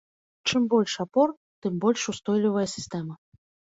Чым больш апор, тым больш устойлівая сістэма.